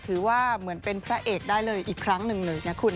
เหมือนเป็นพระเอกได้เลยอีกครั้งหนึ่งเลยนะคุณ